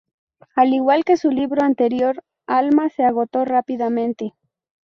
Al igual que su libro anterior, "Alma" se agotó rápidamente.